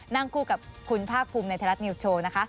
นั่งคู่กับคุณภาคภูมิในไทยรัฐนิวส์โชว์นะคะ